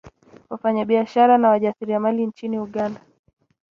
wafanyabiashara na wajasiriamali nchini Uganda